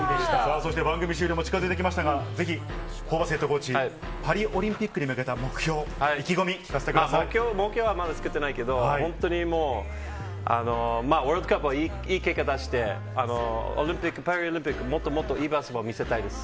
そして番組終了も近づいてきましたが、ぜひ、ホーバスヘッドコーチ、パリオリンピックに向けた目標、意気込み、聞かせてくだ目標はまだ作ってないけど、本当にもう、ワールドカップはいい結果出して、オリンピック、パリオリンピック、もっともっといいバスケを見せたいです。